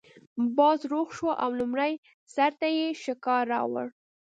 باز روغ شو او لومړي سړي ته یې شکار راوړ.